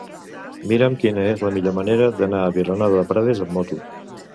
Mira'm quina és la millor manera d'anar a Vilanova de Prades amb moto.